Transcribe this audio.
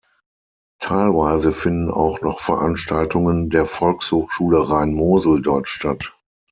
Teilweise finden auch noch Veranstaltungen der Volkshochschule Rhein-Mosel dort statt.